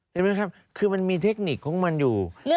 เห็นไหมครับคือมันมีเทคนิคของมันอยู่